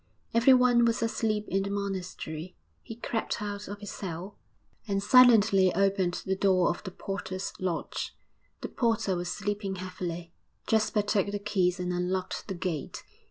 Everyone was asleep in the monastery. He crept out of his cell and silently opened the door of the porter's lodge; the porter was sleeping heavily. Jasper took the keys and unlocked the gate.